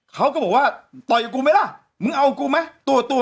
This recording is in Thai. เขาก็บอกว่าต่อยกับกูไหมล่ะมึงเอากูไหมตัว